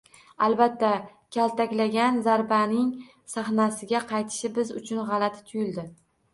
Albatta, "kaltaklangan" zarbaning sahnaga qaytishi biz uchun g'alati tuyuladi